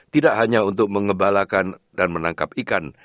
tidak hanya untuk mengebalakan dan menangkap ikan